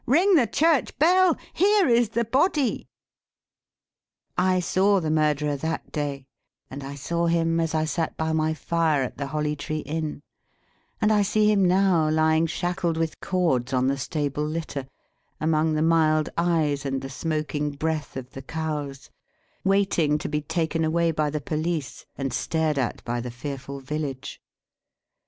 Ring the church bell! Here is the body!" I saw the murderer that day, and I saw him as I sat by my fire at the Holly Tree Inn, and I see him now, lying shackled with cords on the stable litter, among the mild eyes and the smoking breath of the cows, waiting to be taken away by the police, and stared at by the fearful village.